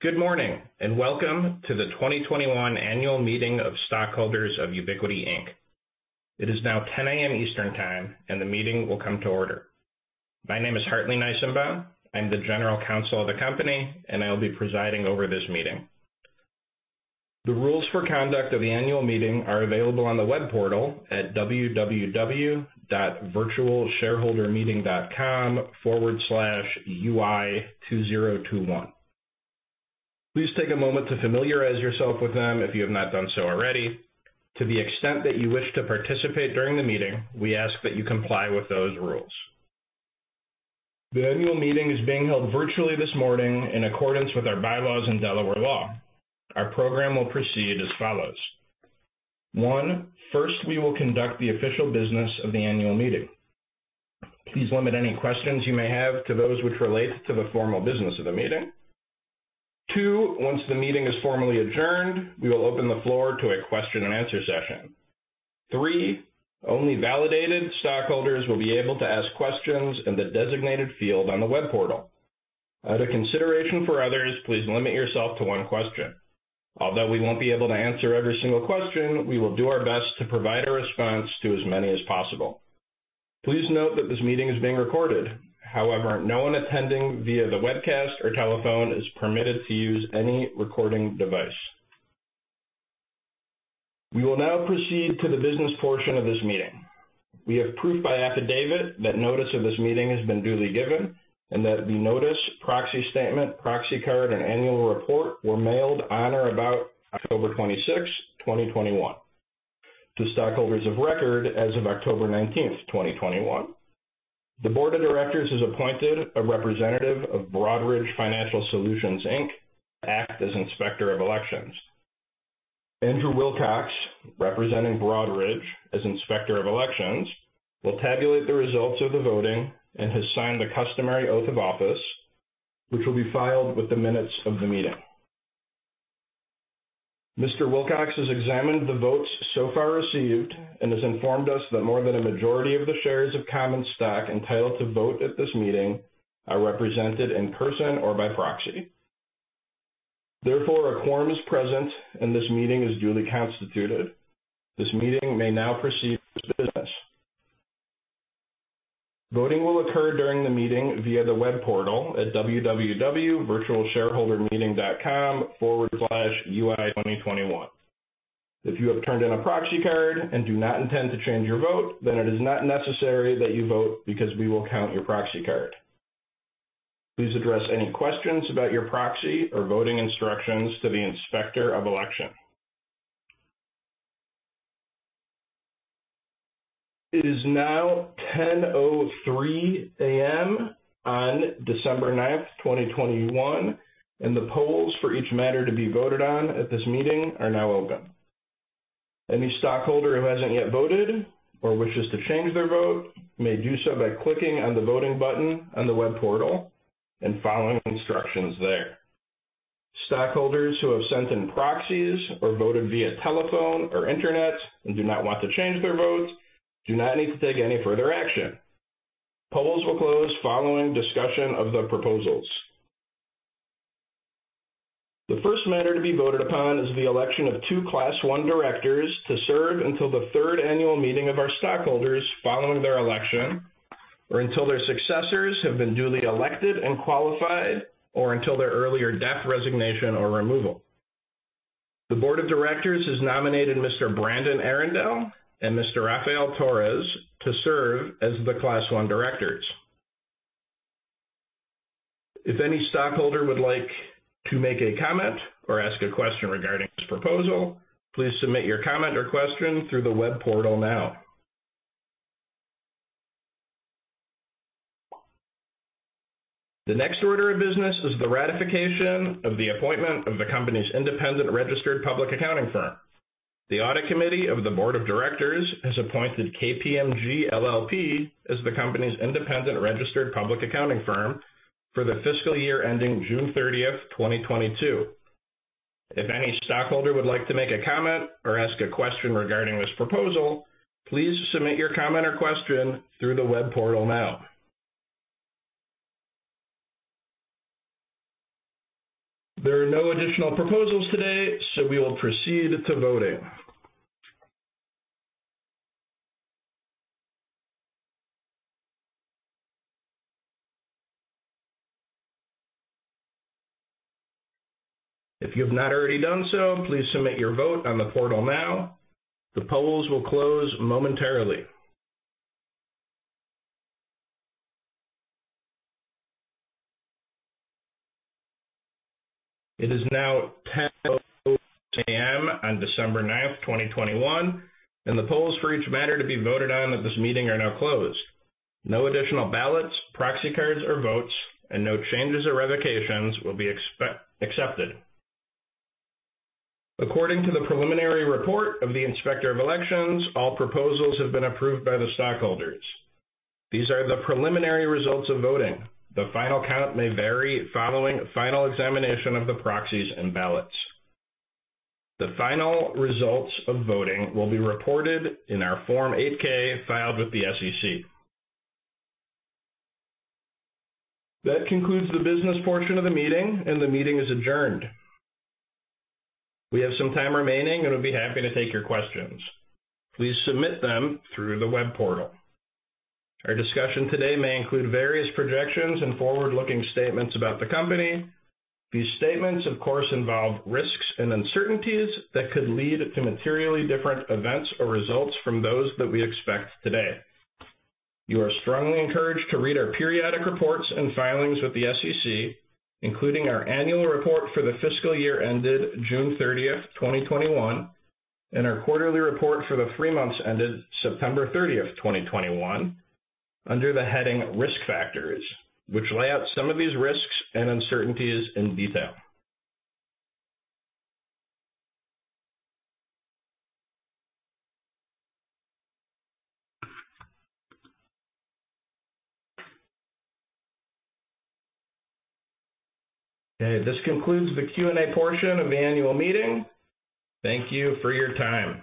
Good morning, and welcome to the 2021 Annual Meeting of Stockholders of Ubiquiti Inc. It is now 10:00 A.M. Eastern Time, and the meeting will come to order. My name is Hartley Nisenbaum. I'm the General Counsel of the company, and I will be presiding over this meeting. The rules for conduct of the annual meeting are available on the web portal at www.virtualshareholdermeeting.com/ui2021. Please take a moment to familiarize yourself with them if you have not done so already. To the extent that you wish to participate during the meeting, we ask that you comply with those rules. The annual meeting is being held virtually this morning in accordance with our bylaws and Delaware law. Our program will proceed as follows. First, we will conduct the official business of the annual meeting. Please limit any questions you may have to those which relate to the formal business of the meeting. Two, once the meeting is formally adjourned, we will open the floor to a question and answer session. Three, only validated stockholders will be able to ask questions in the designated field on the web portal. Out of consideration for others, please limit yourself to one question. Although we won't be able to answer every single question, we will do our best to provide a response to as many as possible. Please note that this meeting is being recorded. However, no one attending via the webcast or telephone is permitted to use any recording device. We will now proceed to the business portion of this meeting. We have proof by affidavit that notice of this meeting has been duly given and that the notice, proxy statement, proxy card, and annual report were mailed on or about October 26, 2021 to stockholders of record as of October 19, 2021. The board of directors has appointed a representative of Broadridge Financial Solutions, Inc. to act as Inspector of Elections. Andrew Wilcox, representing Broadridge as Inspector of Elections, will tabulate the results of the voting and has signed the customary oath of office, which will be filed with the minutes of the meeting. Mr. Wilcox has examined the votes so far received and has informed us that more than a majority of the shares of common stock entitled to vote at this meeting are represented in person or by proxy. Therefore, a quorum is present, and this meeting is duly constituted. This meeting may now proceed with business. Voting will occur during the meeting via the web portal at www.virtualshareholdermeeting.com/ui2021. If you have turned in a proxy card and do not intend to change your vote, then it is not necessary that you vote because we will count your proxy card. Please address any questions about your proxy or voting instructions to the Inspector of Elections. It is now 10:03 A.M. on December 9th, 2021, and the polls for each matter to be voted on at this meeting are now open. Any stockholder who hasn't yet voted or wishes to change their vote may do so by clicking on the voting button on the web portal and following the instructions there. Stockholders who have sent in proxies or voted via telephone or internet and do not want to change their votes do not need to take any further action. Polls will close following discussion of the proposals. The first matter to be voted upon is the election of two Class I directors to serve until the third annual meeting of our stockholders following their election or until their successors have been duly elected and qualified or until their earlier death, resignation, or removal. The Board of Directors has nominated Mr. Brandon Arrindell and Mr. Rafael Torres to serve as the Class I directors. If any stockholder would like to make a comment or ask a question regarding this proposal, please submit your comment or question through the web portal now. The next order of business is the ratification of the appointment of the company's independent registered public accounting firm. The Audit Committee of the Board of Directors has appointed KPMG LLP as the company's independent registered public accounting firm for the fiscal year ending June 30th, 2022. If any stockholder would like to make a comment or ask a question regarding this proposal, please submit your comment or question through the web portal now. There are no additional proposals today, so we will proceed to voting. If you have not already done so, please submit your vote on the portal now. The polls will close momentarily. It is now 10:00 A.M. on December 9th, 2021, and the polls for each matter to be voted on at this meeting are now closed. No additional ballots, proxy cards or votes, and no changes or revocations will be accepted. According to the preliminary report of the Inspector of Elections, all proposals have been approved by the stockholders. These are the preliminary results of voting. The final count may vary following final examination of the proxies and ballots. The final results of voting will be reported in our Form 8-K filed with the SEC. That concludes the business portion of the meeting, and the meeting is adjourned. We have some time remaining and would be happy to take your questions. Please submit them through the web portal. Our discussion today may include various projections and forward-looking statements about the company. These statements, of course, involve risks and uncertainties that could lead to materially different events or results from those that we expect today. You are strongly encouraged to read our periodic reports and filings with the SEC, including our annual report for the fiscal year ended June 30th, 2021, and our quarterly report for the three months ended September 30th, 2021, under the heading Risk Factors, which lay out some of these risks and uncertainties in detail. Okay. This concludes the Q&A portion of the annual meeting. Thank you for your time.